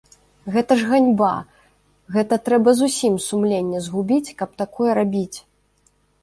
Гэта ж ганьба, гэта трэба зусім сумленне згубіць, каб такое рабіць!